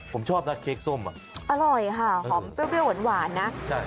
ผมชอบนัดเค้กส้มอ่ะอร่อยค่ะหอมเปรี้ยวเปรี้ยวหวานหวานน่ะใช่